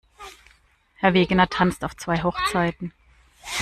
Herr Wegener tanzt auf zwei Hochzeiten.